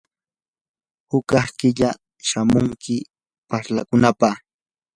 hukaq killa shamunki parlakunapaq.